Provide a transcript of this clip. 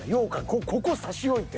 ここ差し置いて。